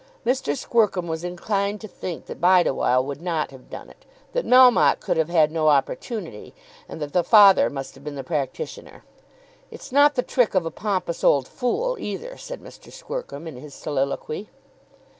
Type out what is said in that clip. Mr. Squercum was inclined to think that Bideawhile would not have done it, that Melmotte could have had no opportunity, and that the father must have been the practitioner. "It's not the trick of a pompous old fool either," said Mr. Squercum, in his soliloquy.